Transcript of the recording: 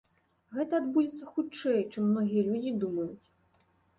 Гэта адбудзецца хутчэй, чым многія людзі думаюць.